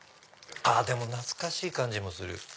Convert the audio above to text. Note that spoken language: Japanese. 懐かしい感じもする。